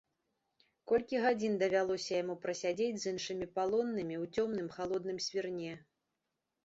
Колькі гадзін давялося яму прасядзець з іншымі палоннымі ў цёмным халодным свірне.